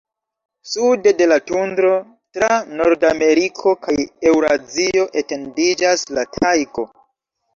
Sude de la tundro, tra Nordameriko kaj Eŭrazio, etendiĝas la tajgo.